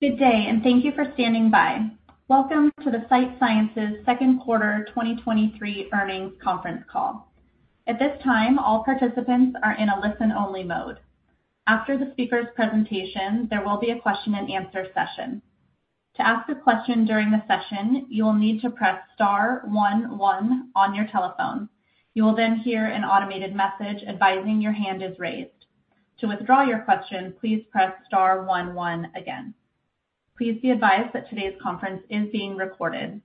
Good day, and thank you for standing by. Welcome to the Sight Sciences Second Quarter 2023 earnings conference call. At this time, all participants are in a listen-only mode. After the speaker's presentation, there will be a question-and-answer session. To ask a question during the session, you will need to press star 11 on your telephone. You will then hear an automated message advising your hand is raised. To withdraw your question, please press star 11 again. Please be advised that today's conference is being recorded.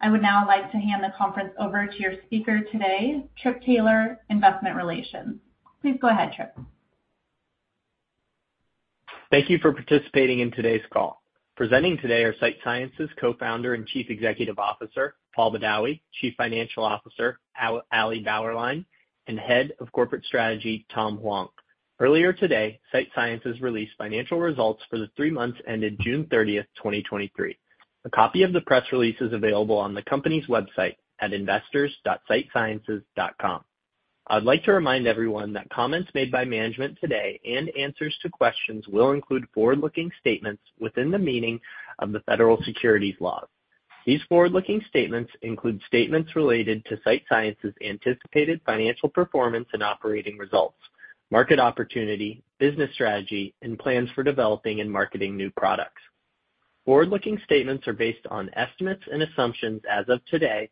I would now like to hand the conference over to your speaker today, Trip Taylor, Investor Relations. Please go ahead, Trip. Thank you for participating in today's call. Presenting today are Sight Sciences Co-Founder and Chief Executive Officer, Paul Badawi, Chief Financial Officer, Ali Bauerlein, and Head of Corporate Strategy, Tom Huang. Earlier today, Sight Sciences released financial results for the three months ended June 30th, 2023. A copy of the press release is available on the company's website at investors.sightsciences.com. I'd like to remind everyone that comments made by management today and answers to questions will include forward-looking statements within the meaning of the federal securities laws. These forward-looking statements include statements related to Sight Sciences' anticipated financial performance and operating results, market opportunity, business strategy, and plans for developing and marketing new products. Forward-looking statements are based on estimates and assumptions as of today,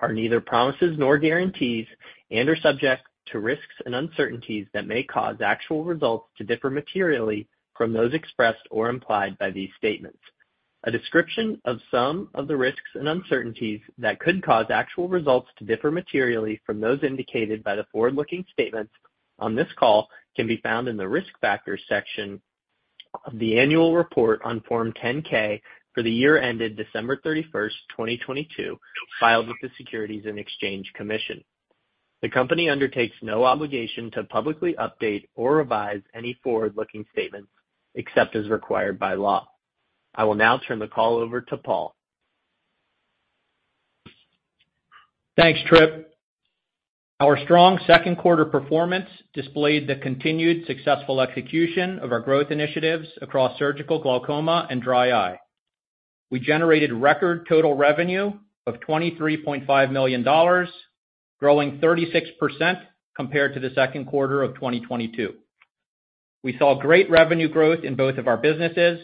are neither promises nor guarantees, and are subject to risks and uncertainties that may cause actual results to differ materially from those expressed or implied by these statements. A description of some of the risks and uncertainties that could cause actual results to differ materially from those indicated by the forward-looking statements on this call can be found in the Risk Factors section of the annual report on Form 10-K for the year ended December 31st, 2022, filed with the Securities and Exchange Commission. The company undertakes no obligation to publicly update or revise any forward-looking statements, except as required by law. I will now turn the call over to Paul. Thanks, Trip. Our strong second quarter performance displayed the continued successful execution of our growth initiatives across surgical glaucoma and dry eye. We generated record total revenue of $23.5 million, growing 36% compared to the second quarter of 2022. We saw great revenue growth in both of our businesses,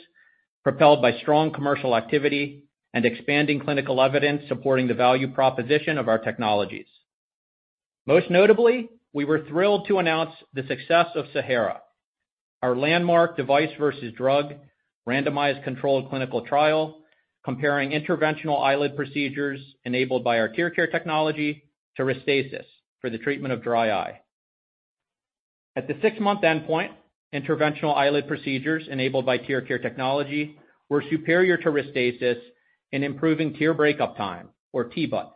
propelled by strong commercial activity and expanding clinical evidence supporting the value proposition of our technologies. Most notably, we were thrilled to announce the success of SAHARA, our landmark device versus drug randomized controlled clinical trial, comparing interventional eyelid procedures enabled by our TearCare technology to Restasis for the treatment of dry eye. At the six-month endpoint, interventional eyelid procedures enabled by TearCare technology were superior to Restasis in improving tear breakup time, or TBUT,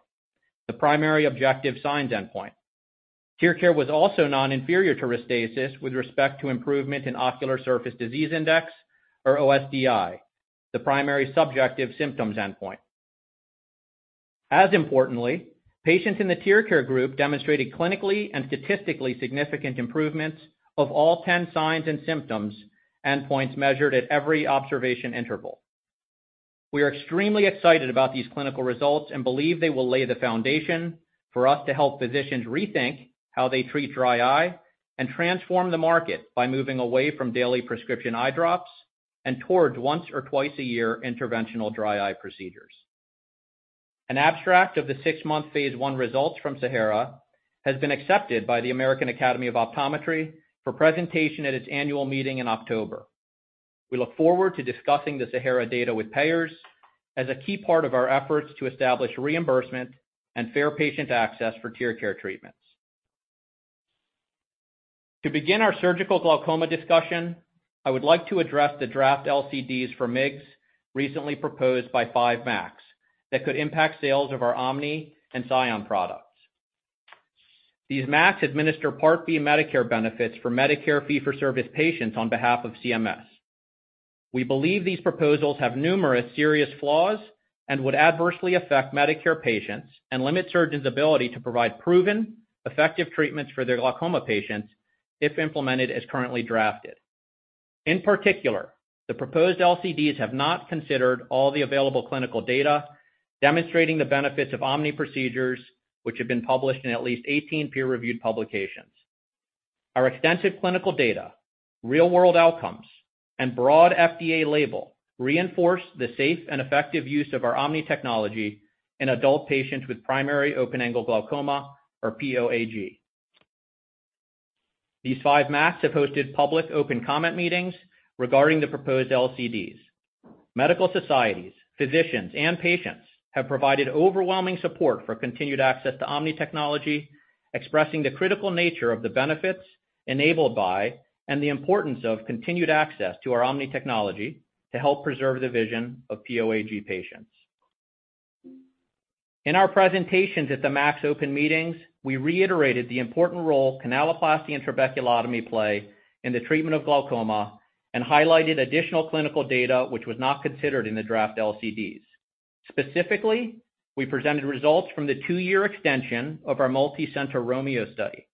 the primary objective signs endpoint. TearCare was also non-inferior to Restasis with respect to improvement in Ocular Surface Disease Index, or OSDI, the primary subjective symptoms endpoint. As importantly, patients in the TearCare group demonstrated clinically and statistically significant improvements of all 10 signs and symptoms, endpoints measured at every observation interval. We are extremely excited about these clinical results and believe they will lay the foundation for us to help physicians rethink how they treat dry eye and transform the market by moving away from daily prescription eye drops and towards once or twice a year interventional dry eye procedures. An abstract of the six-month phase I results from SAHARA has been accepted by the American Academy of Optometry for presentation at its annual meeting in October. We look forward to discussing the SAHARA data with payers as a key part of our efforts to establish reimbursement and fair patient access for TearCare treatments. To begin our surgical glaucoma discussion, I would like to address the draft LCDs for MIGS, recently proposed by 5 MACs, that could impact sales of our OMNI and SION products. These MACs administer Part B Medicare benefits for Medicare fee-for-service patients on behalf of CMS. We believe these proposals have numerous serious flaws and would adversely affect Medicare patients and limit surgeons' ability to provide proven, effective treatments for their glaucoma patients if implemented as currently drafted. In particular, the proposed LCDs have not considered all the available clinical data demonstrating the benefits of OMNI procedures, which have been published in at least 18 peer-reviewed publications. Our extensive clinical data, real-world outcomes, and broad FDA label reinforce the safe and effective use of our OMNI technology in adult patients with primary open-angle glaucoma, or POAG. These 5 MACs have hosted public open comment meetings regarding the proposed LCDs. Medical societies, physicians, and patients have provided overwhelming support for continued access to OMNI technology, expressing the critical nature of the benefits enabled by and the importance of continued access to our OMNI technology to help preserve the vision of POAG patients. In our presentations at the MACs open meetings, we reiterated the important role canaloplasty and trabeculotomy play in the treatment of glaucoma and highlighted additional clinical data which was not considered in the draft LCDs. Specifically, we presented results from the two-year extension of our multicenter ROMEO study.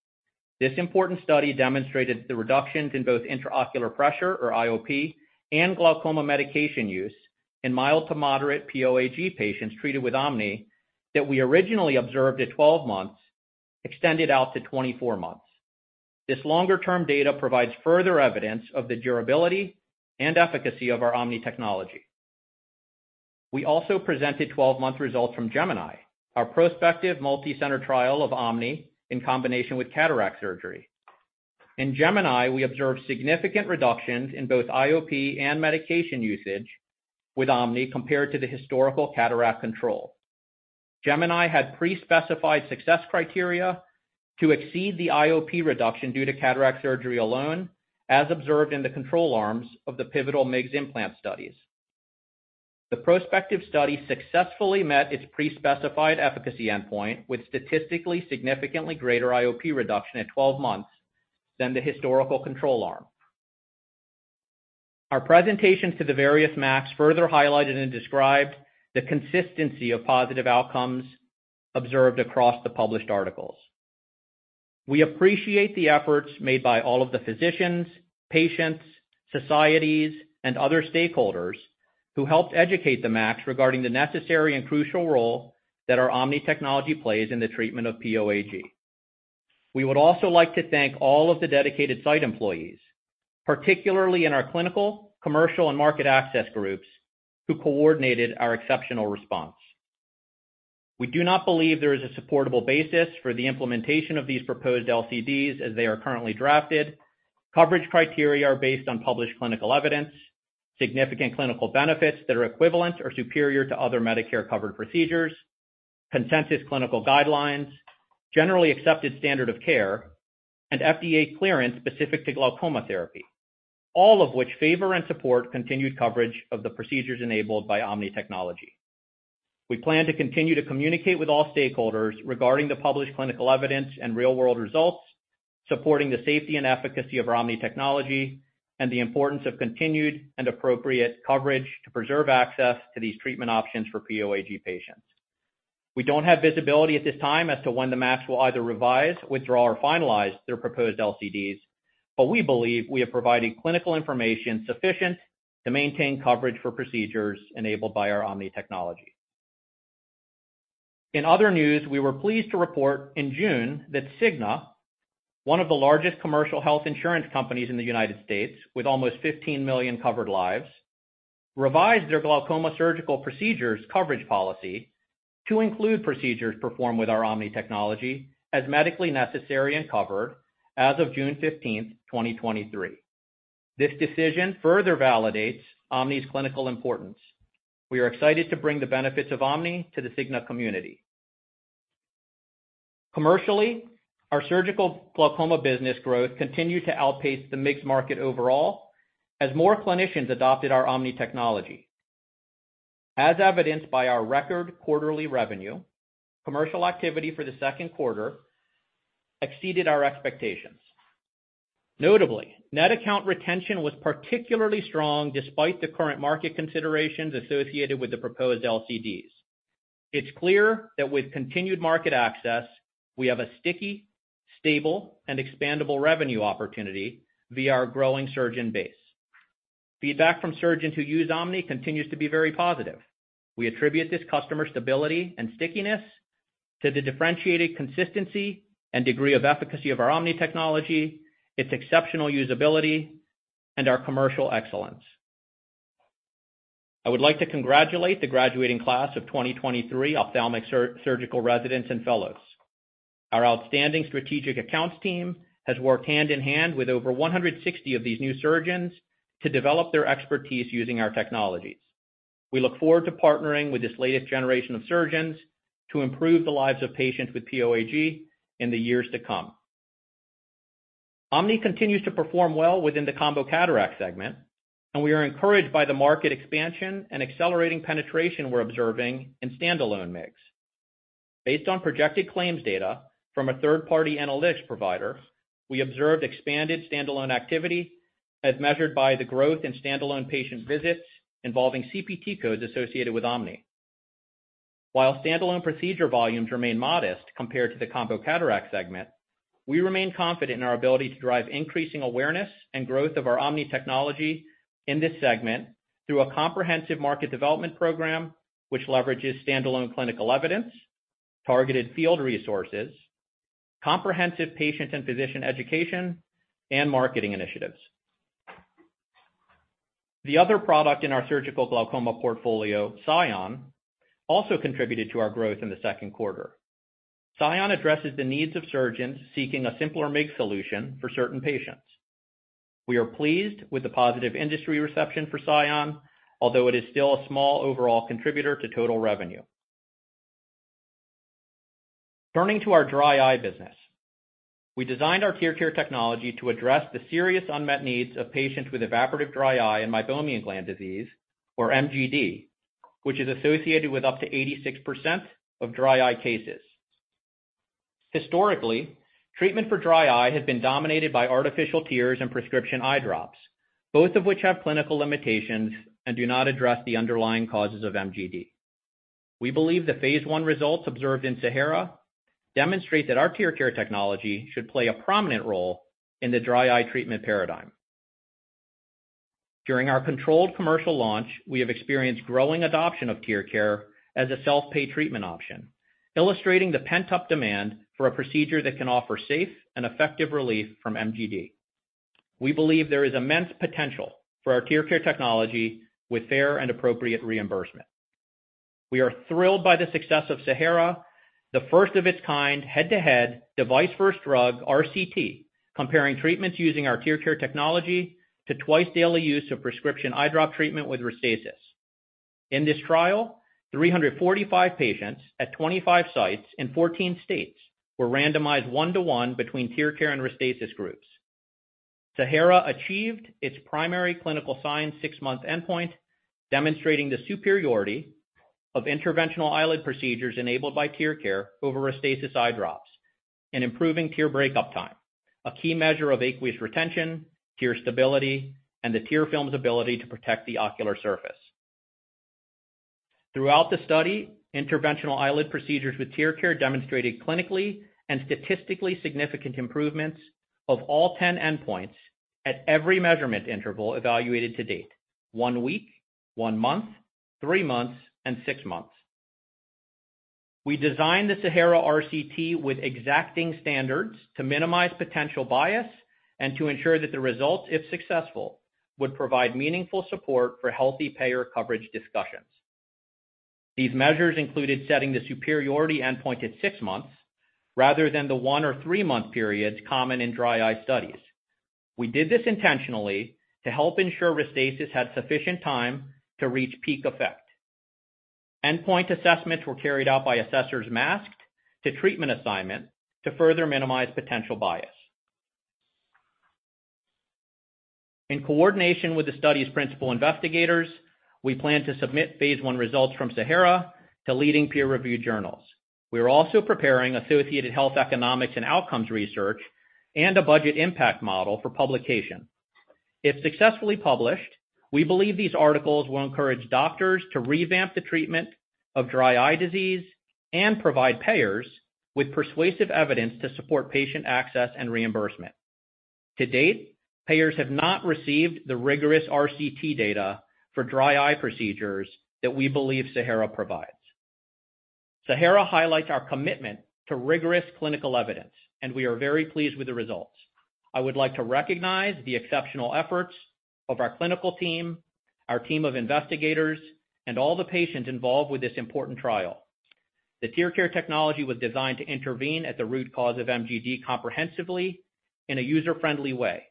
This important study demonstrated the reductions in both intraocular pressure, or IOP, and glaucoma medication use in mild to moderate POAG patients treated with OMNI that we originally observed at 12 months, extended out to 24 months. This longer-term data provides further evidence of the durability and efficacy of our OMNI technology. We also presented 12-month results from GEMINI, our prospective multicenter trial of OMNI in combination with cataract surgery. In GEMINI, we observed significant reductions in both IOP and medication usage with OMNI compared to the historical cataract control. GEMINI had prespecified success criteria to exceed the IOP reduction due to cataract surgery alone, as observed in the control arms of the pivotal MIGS implant studies. The prospective study successfully met its prespecified efficacy endpoint, with statistically significantly greater IOP reduction at 12 months than the historical control arm. Our presentation to the various MACs further highlighted and described the consistency of positive outcomes observed across the published articles. We appreciate the efforts made by all of the physicians, patients, societies, and other stakeholders who helped educate the MACs regarding the necessary and crucial role that our OMNI technology plays in the treatment of POAG. We would also like to thank all of the dedicated site employees, particularly in our clinical, commercial, and market access groups, who coordinated our exceptional response. We do not believe there is a supportable basis for the implementation of these proposed LCDs as they are currently drafted. Coverage criteria are based on published clinical evidence, significant clinical benefits that are equivalent or superior to other Medicare-covered procedures, consensus clinical guidelines, generally accepted standard of care, and FDA clearance specific to glaucoma therapy, all of which favor and support continued coverage of the procedures enabled by OMNI technology. We plan to continue to communicate with all stakeholders regarding the published clinical evidence and real-world results, supporting the safety and efficacy of our OMNI technology and the importance of continued and appropriate coverage to preserve access to these treatment options for POAG patients. We don't have visibility at this time as to when the MACs will either revise, withdraw, or finalize their proposed LCDs, but we believe we have provided clinical information sufficient to maintain coverage for procedures enabled by our OMNI technology. In other news, we were pleased to report in June that Cigna, one of the largest commercial health insurance companies in the United States with almost 15 million covered lives, revised their glaucoma surgical procedures coverage policy to include procedures performed with our OMNI technology as medically necessary and covered as of June 15th, 2023. This decision further validates OMNI's clinical importance. We are excited to bring the benefits of OMNI to the Cigna community. Commercially, our surgical glaucoma business growth continued to outpace the MIGS market overall as more clinicians adopted our OMNI technology. As evidenced by our record quarterly revenue, commercial activity for the second quarter exceeded our expectations. Notably, net account retention was particularly strong despite the current market considerations associated with the proposed LCDs. It's clear that with continued market access, we have a sticky, stable, and expandable revenue opportunity via our growing surgeon base. Feedback from surgeons who use OMNI continues to be very positive. We attribute this customer stability and stickiness to the differentiated consistency and degree of efficacy of our OMNI technology, its exceptional usability, and our commercial excellence. I would like to congratulate the graduating class of 2023 ophthalmic surgical residents and fellows. Our outstanding strategic accounts team has worked hand in hand with over 160 of these new surgeons to develop their expertise using our technologies. We look forward to partnering with this latest generation of surgeons to improve the lives of patients with POAG in the years to come. OMNI continues to perform well within the combo cataract segment, and we are encouraged by the market expansion and accelerating penetration we're observing in standalone MIGS. Based on projected claims data from a third-party analytics provider, we observed expanded standalone activity as measured by the growth in standalone patient visits involving CPT codes associated with OMNI. While standalone procedure volumes remain modest compared to the combo cataract segment, we remain confident in our ability to drive increasing awareness and growth of our OMNI technology in this segment through a comprehensive market development program, which leverages standalone clinical evidence, targeted field resources, comprehensive patient and physician education, and marketing initiatives. The other product in our surgical glaucoma portfolio, SION, also contributed to our growth in the second quarter. SION addresses the needs of surgeons seeking a simpler MIGS solution for certain patients. We are pleased with the positive industry reception for SION, although it is still a small overall contributor to total revenue. Turning to our dry eye business, we designed our TearCare technology to address the serious unmet needs of patients with evaporative dry eye and meibomian gland disease, or MGD, which is associated with up to 86% of dry eye cases. Historically, treatment for dry eye has been dominated by artificial tears and prescription eye drops, both of which have clinical limitations and do not address the underlying causes of MGD... We believe the phase I results observed in SAHARA demonstrate that our TearCare technology should play a prominent role in the dry eye treatment paradigm. During our controlled commercial launch, we have experienced growing adoption of TearCare as a self-pay treatment option, illustrating the pent-up demand for a procedure that can offer safe and effective relief from MGD. We believe there is immense potential for our TearCare technology with fair and appropriate reimbursement. We are thrilled by the success of SAHARA, the first of its kind head-to-head device first drug RCT, comparing treatments using our TearCare technology to twice-daily use of prescription eye drop treatment with Restasis. In this trial, 345 patients at 25 sites in 14 states were randomized one to one between TearCare and Restasis groups. SAHARA achieved its primary clinical six-month endpoint, demonstrating the superiority of interventional eyelid procedures enabled by TearCare over Restasis eye drops and improving tear breakup time, a key measure of aqueous retention, tear stability, and the tear film's ability to protect the ocular surface. Throughout the study, interventional eyelid procedures with TearCare demonstrated clinically and statistically significant improvements of all 10 endpoints at every measurement interval evaluated to date, one week, one month, three months, and six months. We designed the SAHARA RCT with exacting standards to minimize potential bias and to ensure that the results, if successful, would provide meaningful support for healthy payer coverage discussions. These measures included setting the superiority endpoint at six months rather than the one or three-month periods common in dry eye studies. We did this intentionally to help ensure Restasis had sufficient time to reach peak effect. Endpoint assessments were carried out by assessors masked to treatment assignment to further minimize potential bias. In coordination with the study's principal investigators, we plan to submit phase I results from SAHARA to leading peer-reviewed journals. We are also preparing associated health economics and outcomes research and a budget impact model for publication. If successfully published, we believe these articles will encourage doctors to revamp the treatment of dry eye disease and provide payers with persuasive evidence to support patient access and reimbursement. To date, payers have not received the rigorous RCT data for dry eye procedures that we believe SAHARA provides. SAHARA highlights our commitment to rigorous clinical evidence, and we are very pleased with the results. I would like to recognize the exceptional efforts of our clinical team, our team of investigators, and all the patients involved with this important trial. The TearCare technology was designed to intervene at the root cause of MGD comprehensively in a user-friendly way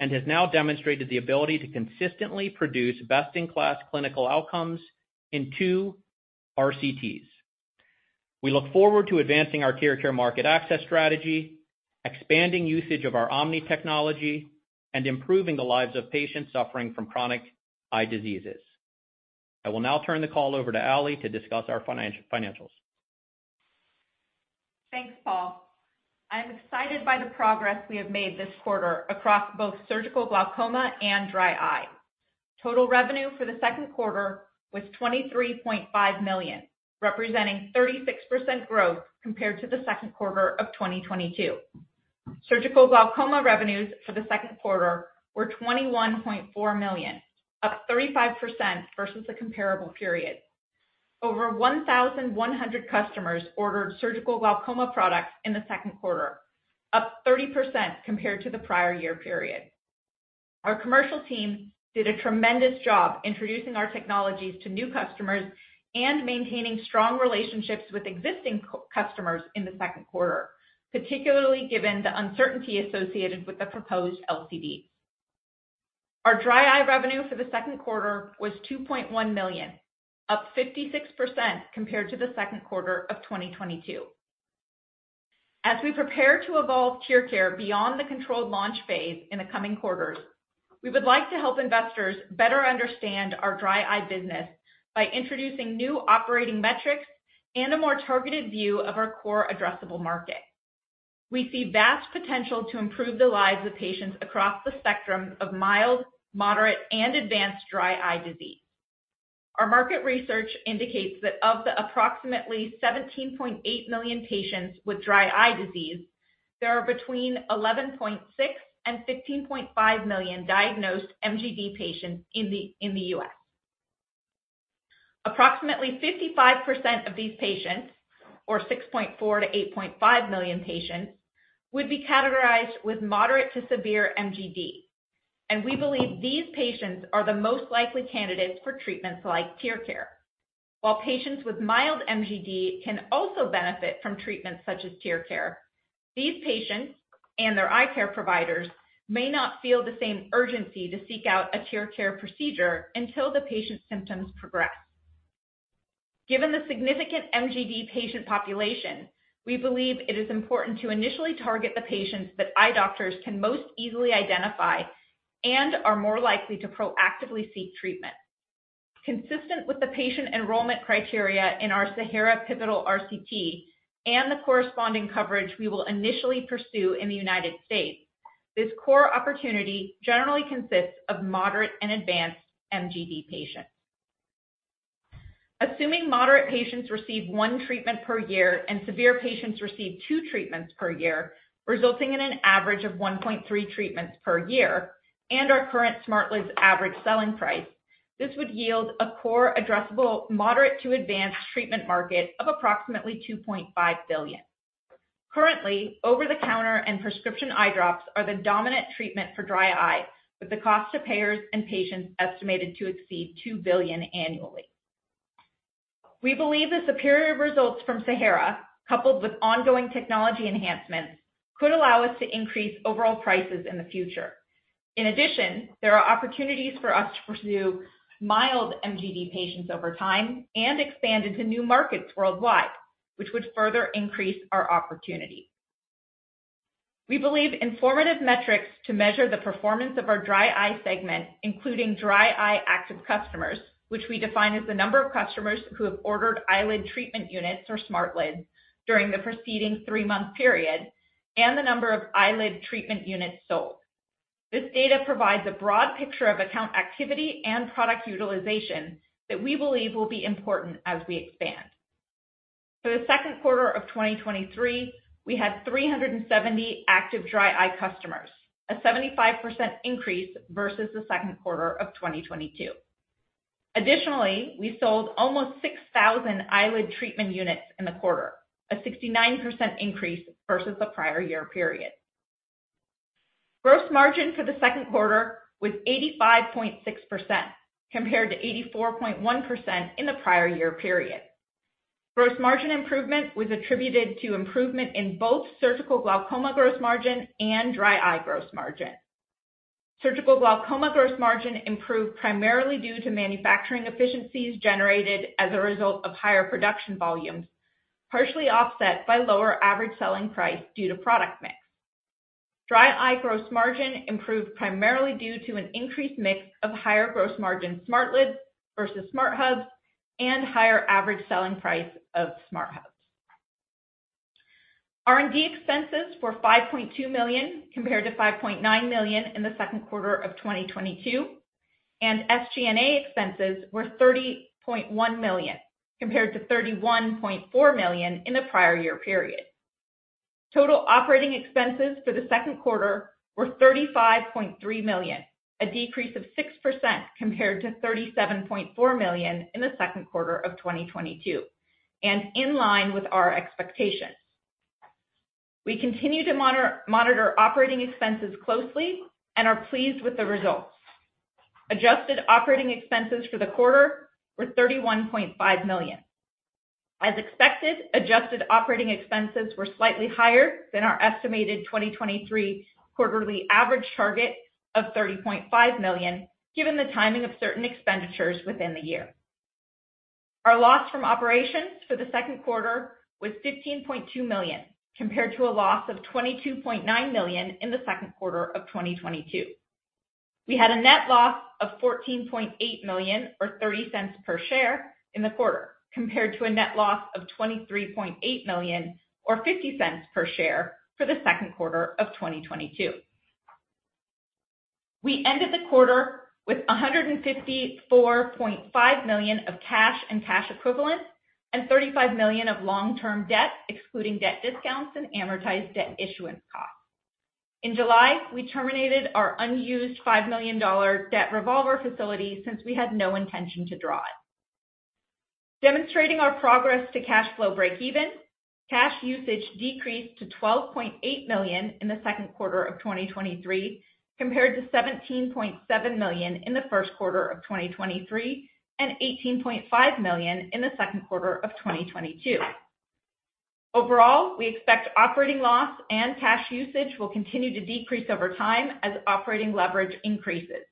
and has now demonstrated the ability to consistently produce best-in-class clinical outcomes in two RCTs. We look forward to advancing our TearCare market access strategy, expanding usage of our OMNI technology, and improving the lives of patients suffering from chronic eye diseases. I will now turn the call over to Ali to discuss our financials. Thanks, Paul. I'm excited by the progress we have made this quarter across both surgical glaucoma and dry eye. Total revenue for the second quarter was $23.5 million, representing 36% growth compared to the second quarter of 2022. Surgical glaucoma revenues for the second quarter were $21.4 million, up 35% versus the comparable period. Over 1,100 customers ordered surgical glaucoma products in the second quarter, up 30% compared to the prior year period. Our commercial team did a tremendous job introducing our technologies to new customers and maintaining strong relationships with existing customers in the second quarter, particularly given the uncertainty associated with the proposed LCDs. Our dry eye revenue for the second quarter was $2.1 million, up 56% compared to the second quarter of 2022. As we prepare to evolve TearCare beyond the controlled launch phase in the coming quarters, we would like to help investors better understand our dry eye business by introducing new operating metrics and a more targeted view of our core addressable market. We see vast potential to improve the lives of patients across the spectrum of mild, moderate, and advanced dry eye disease. Our market research indicates that of the approximately 17.8 million patients with dry eye disease, there are between 11.6 million and 15.5 million diagnosed MGD patients in the US. Approximately 55% of these patients, or 6.4 million-8.5 million patients, would be categorized with moderate to severe MGD, and we believe these patients are the most likely candidates for treatments like TearCare. While patients with mild MGD can also benefit from treatments such as TearCare, these patients and their eye care providers may not feel the same urgency to seek out a TearCare procedure until the patient's symptoms progress. Given the significant MGD patient population, we believe it is important to initially target the patients that eye doctors can most easily identify and are more likely to proactively seek treatment. Consistent with the patient enrollment criteria in our SAHARA pivotal RCT and the corresponding coverage we will initially pursue in the United States-... This core opportunity generally consists of moderate and advanced MGD patients. Assuming moderate patients receive one treatment per year and severe patients receive two treatments per year, resulting in an average of 1.3 treatments per year, and our current SmartLids average selling price, this would yield a core addressable moderate to advanced treatment market of approximately $2.5 billion. Currently, over-the-counter and prescription eye drops are the dominant treatment for dry eye, with the cost to payers and patients estimated to exceed $2 billion annually. We believe the superior results from SAHARA, coupled with ongoing technology enhancements, could allow us to increase overall prices in the future. In addition, there are opportunities for us to pursue mild MGD patients over time and expand into new markets worldwide, which would further increase our opportunity. We believe informative metrics to measure the performance of our dry eye segment, including dry eye active customers, which we define as the number of customers who have ordered eyelid treatment units or SmartLids during the preceding three-month period, and the number of eyelid treatment units sold. This data provides a broad picture of account activity and product utilization that we believe will be important as we expand. For the second quarter of 2023, we had 370 active dry eye customers, a 75% increase versus the second quarter of 2022. Additionally, we sold almost 6,000 eyelid treatment units in the quarter, a 69% increase versus the prior year period. Gross margin for the second quarter was 85.6%, compared to 84.1% in the prior year period. Gross margin improvement was attributed to improvement in both surgical glaucoma gross margin and dry eye gross margin. Surgical glaucoma gross margin improved primarily due to manufacturing efficiencies generated as a result of higher production volumes, partially offset by lower average selling price due to product mix. Dry eye gross margin improved primarily due to an increased mix of higher gross margin SmartLids versus SmartHubs, and higher average selling price of SmartHubs. R&D expenses were $5.2 million, compared to $5.9 million in the second quarter of 2022, and SG&A expenses were $30.1 million, compared to $31.4 million in the prior year period. Total operating expenses for the second quarter were $35.3 million, a decrease of 6% compared to $37.4 million in the second quarter of 2022, and in line with our expectations. We continue to monitor operating expenses closely and are pleased with the results. Adjusted operating expenses for the quarter were $31.5 million. As expected, adjusted operating expenses were slightly higher than our estimated 2023 quarterly average target of $30.5 million, given the timing of certain expenditures within the year. Our loss from operations for the second quarter was $15.2 million, compared to a loss of $22.9 million in the second quarter of 2022. We had a net loss of $14.8 million, or $0.30 per share, in the quarter, compared to a net loss of $23.8 million, or $0.50 per share, for the second quarter of 2022. We ended the quarter with $154.5 million of cash and cash equivalents, and $35 million of long-term debt, excluding debt discounts and amortized debt issuance costs. In July, we terminated our unused $5 million debt revolver facility since we had no intention to draw it. Demonstrating our progress to cash flow breakeven, cash usage decreased to $12.8 million in the second quarter of 2023, compared to $17.7 million in the first quarter of 2023, and $18.5 million in the second quarter of 2022. Overall, we expect operating loss and cash usage will continue to decrease over time as operating leverage increases,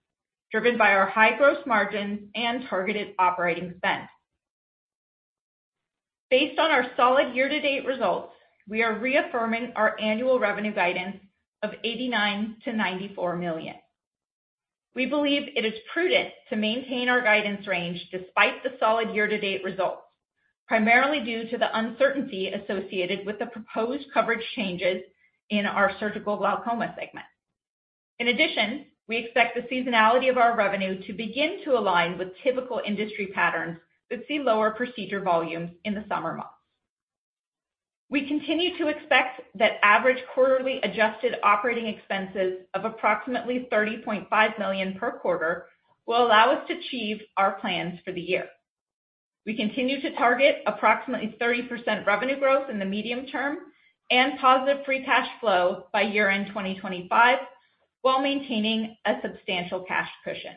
driven by our high gross margins and targeted operating spend. Based on our solid year-to-date results, we are reaffirming our annual revenue guidance of $89 million-$94 million. We believe it is prudent to maintain our guidance range despite the solid year-to-date results, primarily due to the uncertainty associated with the proposed coverage changes in our surgical glaucoma segment. In addition, we expect the seasonality of our revenue to begin to align with typical industry patterns that see lower procedure volumes in the summer months. We continue to expect that average quarterly adjusted operating expenses of approximately $30.5 million per quarter will allow us to achieve our plans for the year. We continue to target approximately 30% revenue growth in the medium term and positive free cash flow by year-end 2025, while maintaining a substantial cash cushion.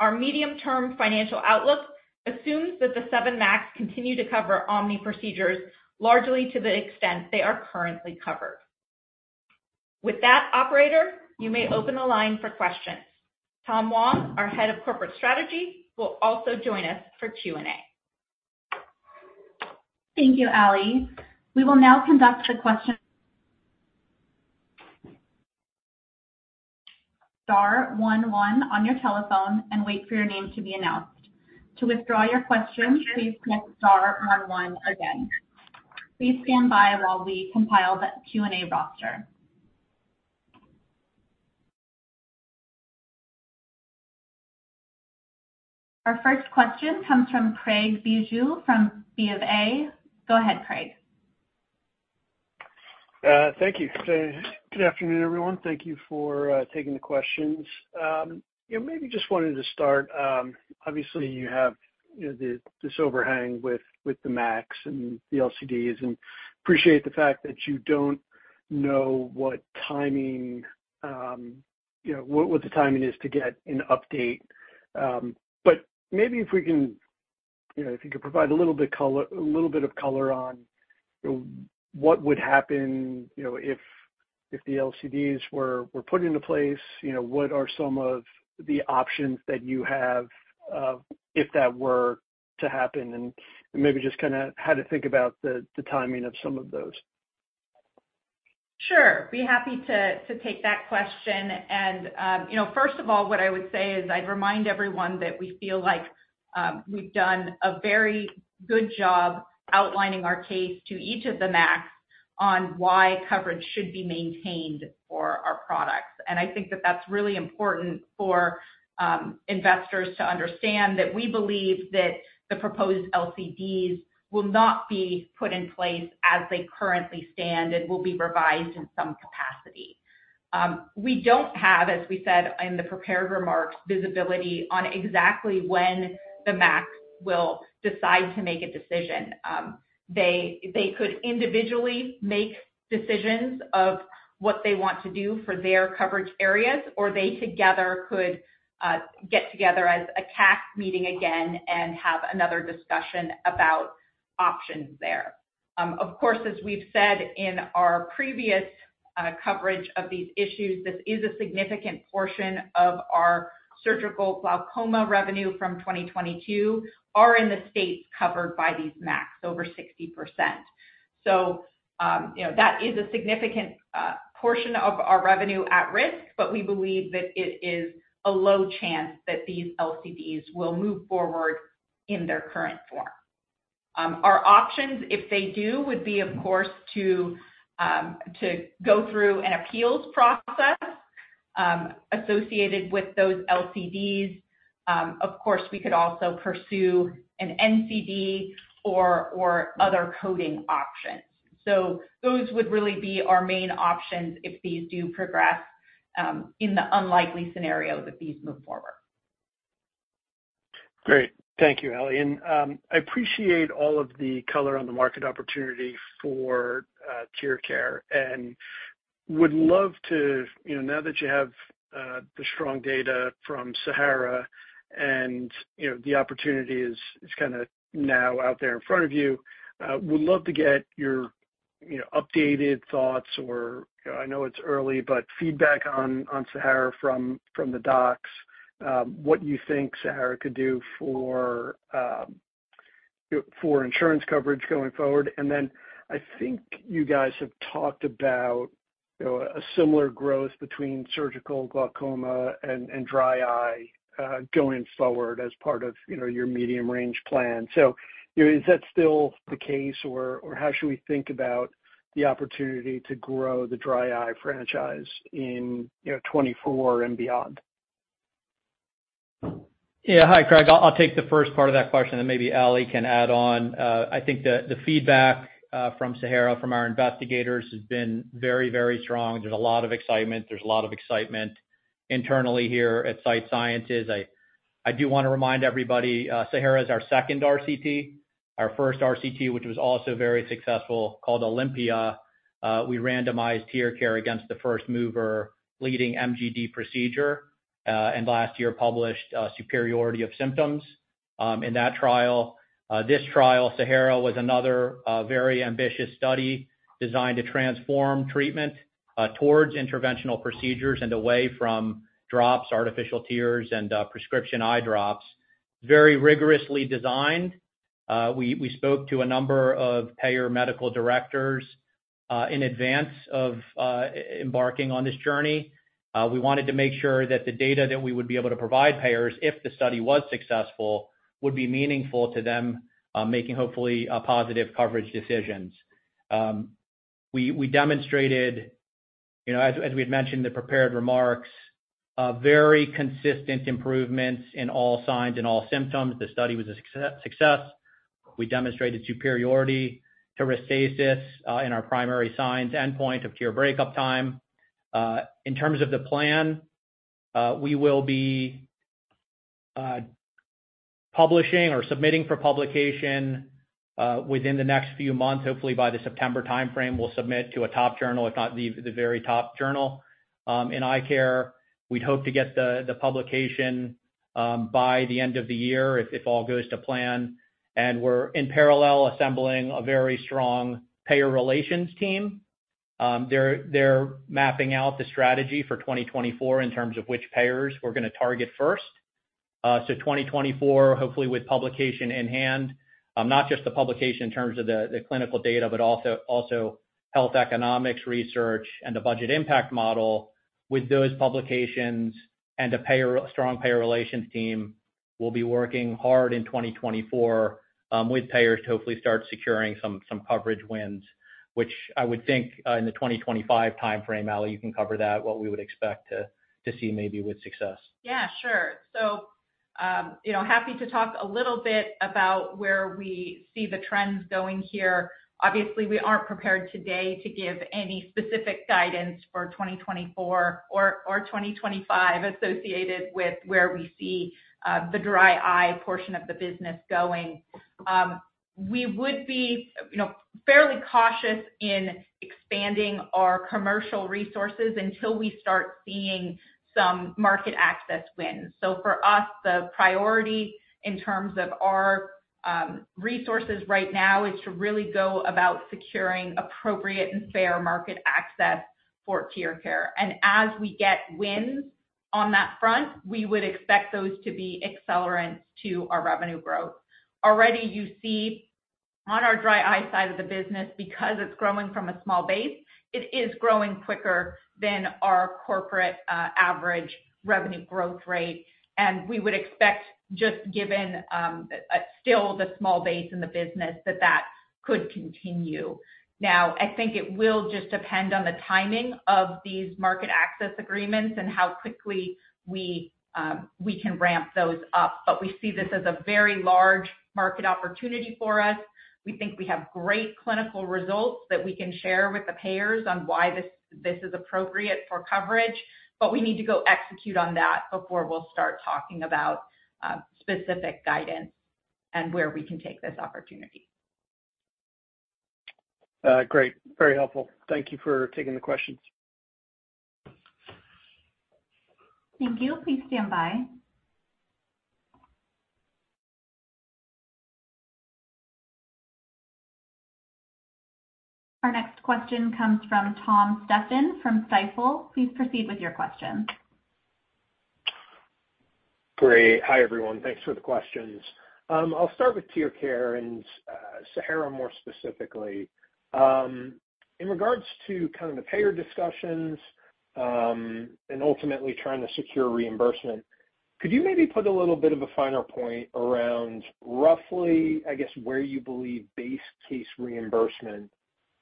Our medium-term financial outlook assumes that the seven MACs continue to cover OMNI procedures largely to the extent they are currently covered. With that, operator, you may open the line for questions. Tom Huang, our Head of Corporate Strategy, will also join us for Q&A. Thank you, Ali. We will now conduct the star one one on your telephone and wait for your name to be announced. To withdraw your question, please press star one one again. Please stand by while we compile the Q&A roster. Our first question comes from Craig Bijou from B of A. Go ahead, Craig. Thank you. Good afternoon, everyone. Thank you for taking the questions. Yeah, maybe just wanted to start, obviously, you have, you know, this overhang with the MACs and the LCDs, and appreciate the fact that you don't know what timing, you know, what the timing is to get an update. But maybe if we can, you know, if you could provide a little bit color, a little bit of color on what would happen, you know, if the LCDs were put into place, you know, what are some of the options that you have if that were to happen? Maybe just kind of how to think about the timing of some of those. Sure. Be happy to, to take that question. You know, first of all, what I would say is I'd remind everyone that we feel like, we've done a very good job outlining our case to each of the MACs on why coverage should be maintained for our products. I think that that's really important for investors to understand that we believe that the proposed LCDs will not be put in place as they currently stand and will be revised in some capacity. We don't have, as we said in the prepared remarks, visibility on exactly when the MAC will decide to make a decision. They, they could individually make decisions of what they want to do for their coverage areas, or they together could get together as a CAC meeting again and have another discussion about options there. Of course, as we've said in our previous coverage of these issues, this is a significant portion of our surgical glaucoma revenue from 2022 are in the states covered by these MACs, over 60%. You know, that is a significant portion of our revenue at risk, but we believe that it is a low chance that these LCDs will move forward in their current form. Our options, if they do, would be, of course, to go through an appeals process associated with those LCDs. Of course, we could also pursue an NCD or other coding options. Those would really be our main options if these do progress in the unlikely scenario that these move forward. Great. Thank you, Ali, I appreciate all of the color on the market opportunity for TearCare, and would love to, you know, now that you have the strong data from SAHARA and, you know, the opportunity is, is kind of now out there in front of you, would love to get your, you know, updated thoughts or, I know it's early, but feedback on SAHARA from the docs, what you think SAHARA could do for insurance coverage going forward. Then I think you guys have talked about, you know, a similar growth between surgical glaucoma and dry eye going forward as part of, you know, your medium range plan. You know, is that still the case, or, or how should we think about the opportunity to grow the dry eye franchise in, you know, 2024 and beyond? Yeah. Hi, Craig. I'll take the first part of that question, and maybe Ali can add on. I think the feedback from SAHARA, from our investigators, has been very, very strong. There's a lot of excitement. There's a lot of excitement internally here at Sight Sciences. I do want to remind everybody, SAHARA is our second RCT. Our first RCT, which was also very successful, called OLYMPIA, we randomized TearCare against the first mover leading MGD procedure, and last year published superiority of symptoms in that trial. This trial, SAHARA, was another very ambitious study designed to transform treatment towards interventional procedures and away from drops, artificial tears, and prescription eye drops. Very rigorously designed. We spoke to a number of payer medical directors in advance of embarking on this journey. We wanted to make sure that the data that we would be able to provide payers if the study was successful, would be meaningful to them, making hopefully, positive coverage decisions. We, we demonstrated, you know, as, as we had mentioned in the prepared remarks, very consistent improvements in all signs and all symptoms. The study was a success. We demonstrated superiority to Restasis, in our primary signs, endpoint of tear breakup time. In terms of the plan, we will be publishing or submitting for publication, within the next few months. Hopefully, by the September timeframe, we'll submit to a top journal, if not the, the very top journal, in eye care. We'd hope to get the, the publication, by the end of the year if, if all goes to plan. We're in parallel assembling a very strong payer relations team. They're, they're mapping out the strategy for 2024 in terms of which payers we're going to target first. 2024, hopefully with publication in hand, not just the publication in terms of the, the clinical data, but also, also health economics research and the budget impact model. With those publications and a payer, a strong payer relations team, we'll be working hard in 2024, with payers to hopefully start securing some, some coverage wins, which I would think, in the 2025 time frame, Ali, you can cover that, what we would expect to, to see maybe with success. Yeah, sure. You know, happy to talk a little bit about where we see the trends going here. Obviously, we aren't prepared today to give any specific guidance for 2024 or 2025 associated with where we see the dry eye portion of the business going. We would be, you know, fairly cautious in expanding our commercial resources until we start seeing some market access wins. For us, the priority in terms of our resources right now is to really go about securing appropriate and fair market access for TearCare. As we get wins on that front, we would expect those to be accelerants to our revenue growth. Already, you see on our dry eye side of the business, because it's growing from a small base, it is growing quicker than our corporate average revenue growth rate. We would expect, just given, still the small base in the business, that that could continue. I think it will just depend on the timing of these market access agreements and how quickly we, we can ramp those up. We see this as a very large market opportunity for us. We think we have great clinical results that we can share with the payers on why this, this is appropriate for coverage. We need to go execute on that before we'll start talking about, specific guidance and where we can take this opportunity. Great. Very helpful. Thank you for taking the questions. Thank you. Please stand by. Our next question comes from Tom Stephan from Stifel. Please proceed with your question. Great. Hi, everyone. Thanks for the questions. I'll start with TearCare and SAHARA more specifically. In regards to kind of the payer discussions, and ultimately trying to secure reimbursement, could you maybe put a little bit of a finer point around roughly, where you believe base case reimbursement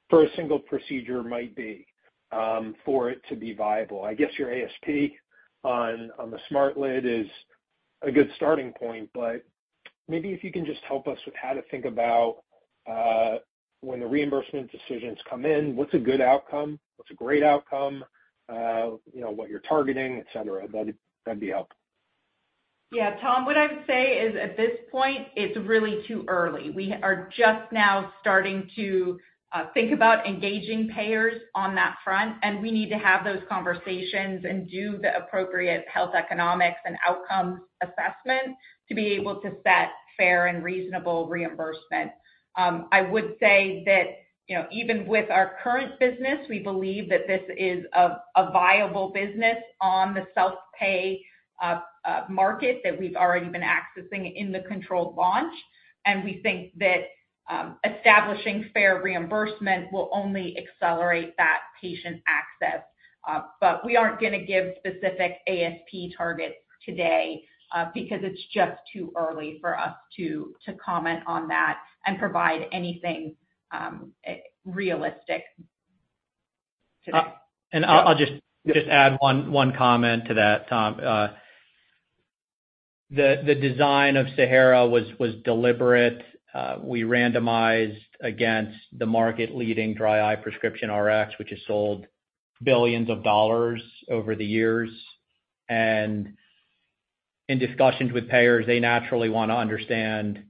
for a single procedure might be, for it to be viable? Your ASP on, on the SmartLid is a good starting point, but maybe if you can just help us with how to think about, when the reimbursement decisions come in, what's a good outcome, what's a great outcome, you know, what you're targeting, et cetera. That'd be helpful. Yeah, Tom, what I would say is, at this point, it's really too early. We are just now starting to think about engaging payers on that front, and we need to have those conversations and do the appropriate health economics and outcomes assessments to be able to set fair and reasonable reimbursement. I would say that, you know, even with our current business, we believe that this is a, a viable business on the self-pay market that we've already been accessing in the controlled launch. We think that establishing fair reimbursement will only accelerate that patient access. We aren't going to give specific ASP targets today, because it's just too early for us to, to comment on that and provide anything, realistic today. I'll just add one comment to that, Tom. The design of SAHARA was deliberate. We randomized against the market-leading dry eye prescription Rx, which has sold billions of dollars over the years. In discussions with payers, they naturally want to understand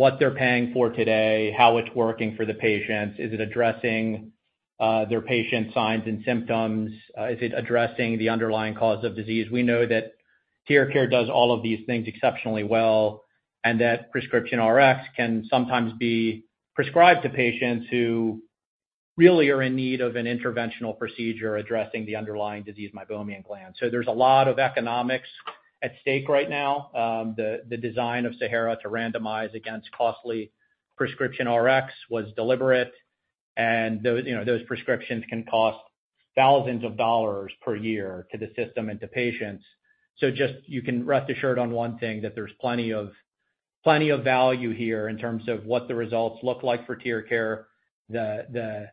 what they're paying for today, how it's working for the patients. Is it addressing their patients' signs and symptoms? Is it addressing the underlying cause of disease? We know that TearCare does all of these things exceptionally well, and that prescription Rx can sometimes be prescribed to patients who really are in need of an interventional procedure addressing the underlying disease, meibomian gland. There's a lot of economics at stake right now. The, the design of SAHARA to randomize against costly prescription Rx was deliberate, and those prescriptions can cost thousands of dollars per year to the system and to patients. Just, you can rest assured on one thing, that there's plenty of, plenty of value here in terms of what the results look like for TearCare, the, the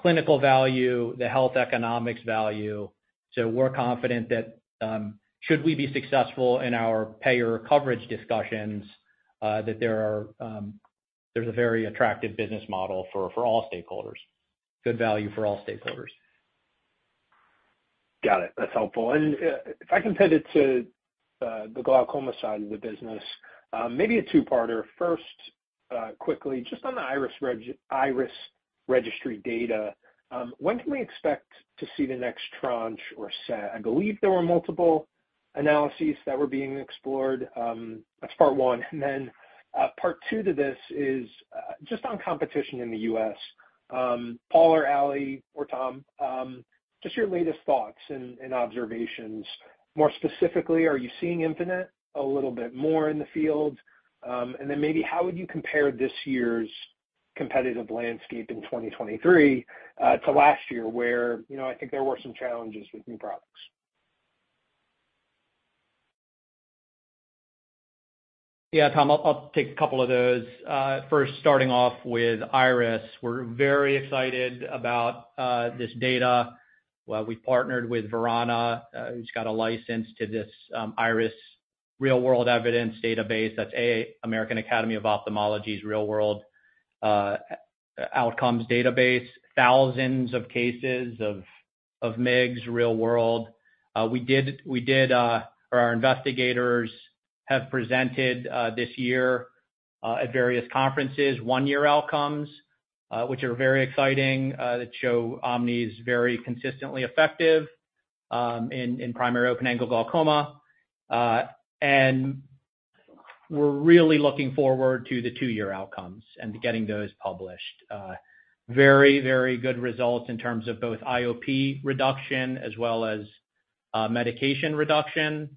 clinical value, the health economics value. We're confident that, should we be successful in our payer coverage discussions, that there are, there's a very attractive business model for, for all stakeholders, good value for all stakeholders. Got it. That's helpful. If I can pivot to the glaucoma side of the business, maybe a two-parter. First, quickly, just on the IRIS Registry data, when can we expect to see the next tranche or set? I believe there were multiple analyses that were being explored. That's part one. Part two to this. Just on competition in the U.S., Paul or Ali or Tom, just your latest thoughts and observations. More specifically, are you seeing infinite a little bit more in the field? Maybe how would you compare this year's competitive landscape in 2023 to last year, where, you know, I think there were some challenges with new products? Yeah, Tom, I'll take a couple of those. First, starting off with IRIS. We're very excited about this data. We partnered with Verana Health, who's got a license to this IRIS real-world evidence database. That's American Academy of Ophthalmology's real-world outcomes database, thousands of cases of MIGS real world. Our investigators have presented this year at various conferences, one-year outcomes, which are very exciting, that show OMNI is very consistently effective in primary open-angle glaucoma. We're really looking forward to the two-year outcomes and getting those published. Very, very good results in terms of both IOP reduction as well as medication reduction.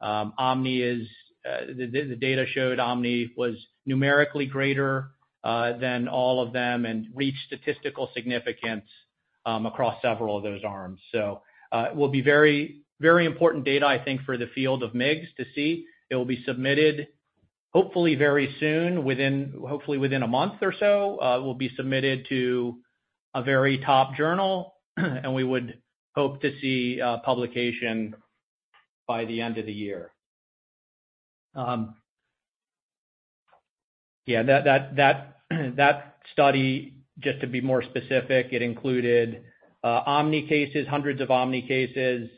OMNI is, the data showed OMNI was numerically greater than all of them and reached statistical significance across several of those arms. It will be very, very important data, I think, for the field of MIGS to see. It will be submitted, hopefully, very soon, a month or so, will be submitted to a very top journal, and we would hope to see publication by the end of the year. That study, just to be more specific, it included OMNI cases, hundreds of OMNI cases,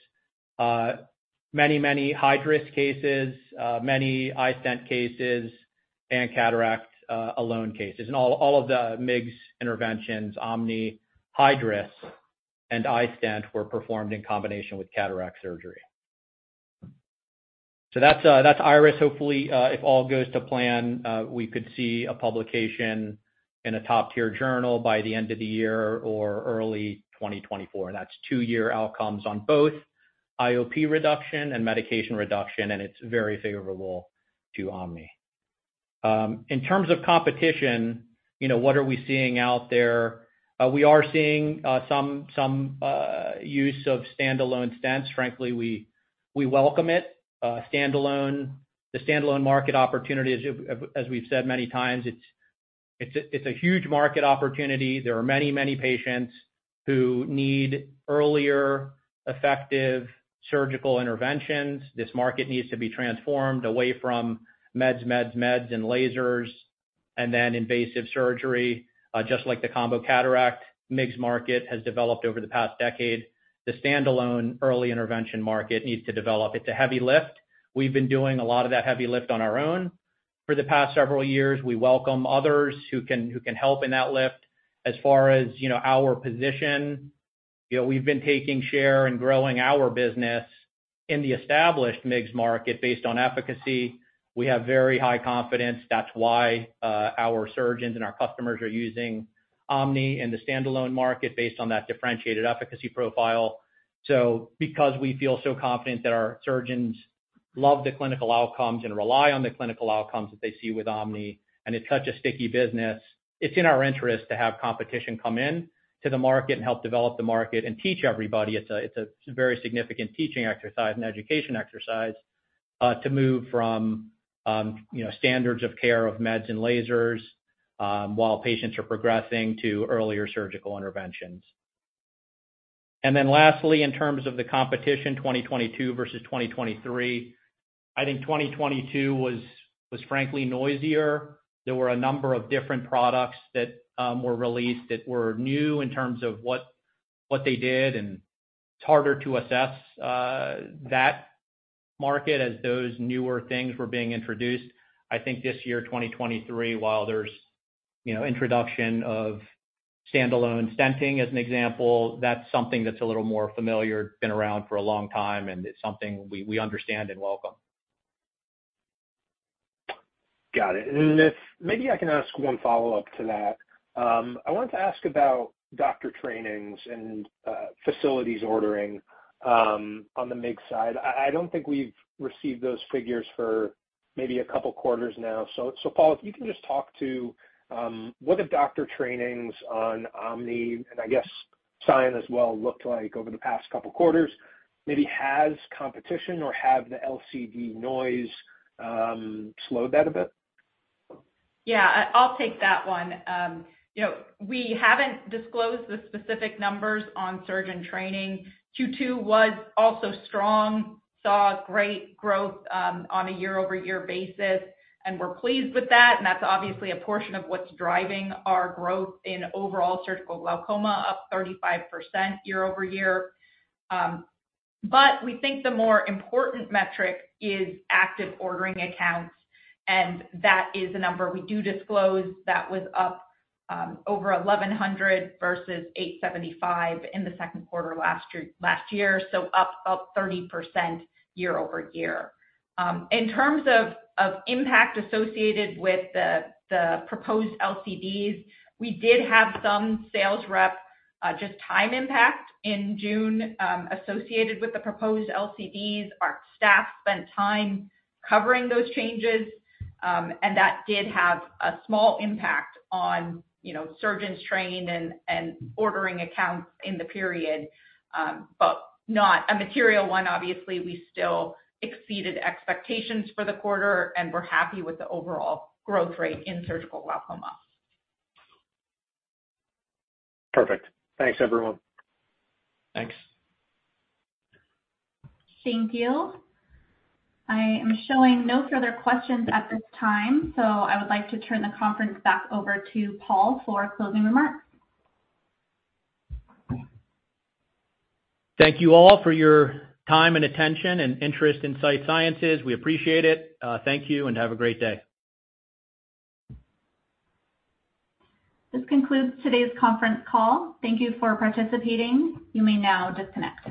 many, many high-risk cases, many iStent cases and cataract alone cases. All, all of the MIGS interventions, OMNI, Hydrus, and iStent were performed in combination with cataract surgery. That's, that's IRIS. Hopefully, if all goes to plan, we could see a publication in a top-tier journal by the end of the year or early 2024. That's two-year outcomes on both IOP reduction and medication reduction, and it's very favorable to OMNI. In terms of competition, you know, what are we seeing out there? We are seeing some, some use of standalone stents. Frankly, we, we welcome it. The standalone market opportunity, as we've said many times, it's, it's a, it's a huge market opportunity. There are many, many patients who need earlier effective surgical interventions. This market needs to be transformed away from meds, meds, meds, and lasers, and then invasive surgery. Just like the combo cataract, MIGS market has developed over the past decade. The standalone early intervention market needs to develop. It's a heavy lift. We've been doing a lot of that heavy lift on our own for the past several years. We welcome others who can, who can help in that lift. As far as, you know, our position, you know, we've been taking share and growing our business in the established MIGS market based on efficacy. We have very high confidence. That's why our surgeons and our customers are using OMNI in the standalone market based on that differentiated efficacy profile. Because we feel so confident that our surgeons love the clinical outcomes and rely on the clinical outcomes that they see with OMNI, and it's such a sticky business, it's in our interest to have competition come in to the market and help develop the market and teach everybody. It's a, it's a very significant teaching exercise and education exercise to move from, you know, standards of care of meds and lasers, while patients are progressing to earlier surgical interventions. Lastly, in terms of the competition, 2022 versus 2023, I think 2022 was, was frankly noisier. There were a number of different products that were released that were new in terms of what, what they did, and it's harder to assess that market as those newer things were being introduced. I think this year, 2023, while there's, you know, introduction of standalone stenting, as an example, that's something that's a little more familiar, been around for a long time, and it's something we, we understand and welcome. Got it. If maybe I can ask one follow-up to that. I wanted to ask about doctor trainings and facilities ordering on the MIGS side. I, I don't think we've received those figures for maybe a couple quarters now. Paul, if you can just talk to what the doctor trainings on OMNI, and I guess Sight Sciences as well, looked like over the past couple quarters, maybe has competition or have the LCDs noise slowed that a bit? Yeah, I, I'll take that one. You know, we haven't disclosed the specific numbers on surgeon training. Q2 was also strong, saw great growth, on a year-over-year basis, and we're pleased with that, and that's obviously a portion of what's driving our growth in overall surgical glaucoma, up 35% year-over-year. But we think the more important metric is active ordering accounts, and that is a number we do disclose. That was up, over 1,100 versus 875 in the second quarter last year, so up 30% year-over-year. In terms of, of impact associated with the, the proposed LCDs, we did have some sales rep, just time impact in June, associated with the proposed LCDs. Our staff spent time covering those changes, and that did have a small impact on, you know, surgeons trained and, and ordering accounts in the period, but not a material one. Obviously, we still exceeded expectations for the quarter, and we're happy with the overall growth rate in surgical glaucoma. Perfect. Thanks, everyone. Thanks. Thank you. I am showing no further questions at this time, so I would like to turn the conference back over to Paul for closing remarks. Thank you all for your time and attention and interest in Sight Sciences. We appreciate it. Thank you, and have a great day. This concludes today's conference call. Thank you for participating. You may now disconnect.